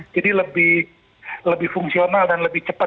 jadi lebih fungsional dan lebih cepat